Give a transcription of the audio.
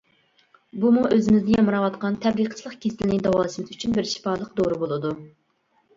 بۇمۇ ئۆزىمىزدە يامراۋاتقان تەپرىقىچىلىك كېسىلىنى داۋالىشىمىز ئۈچۈن بىر شىپالىق دورا بولىدۇ.